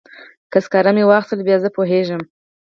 که سکاره مې واخیستل بیا زه پوهیږم.